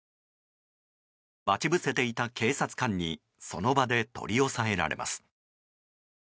待ち伏せていた警察官にその場で取り押さえられます。